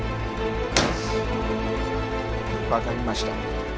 分かりました。